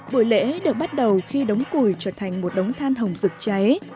buổi lễ được bắt đầu khi đống củi trở thành một đống than hồng rực cháy